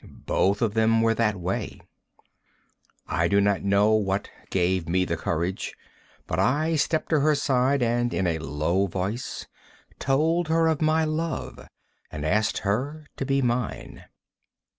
Both of them were that way, I know not what gave me the courage, but I stepped to her side, and in a low voice told her of my love and asked her to be mine.